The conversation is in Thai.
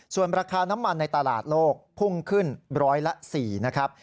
ส่วนราคาน้ำมันในตลาดโลกพุ่งขึ้นร้อยละ๔นะครับ